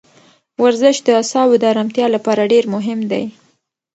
ورزش د اعصابو د ارامتیا لپاره ډېر مهم دی.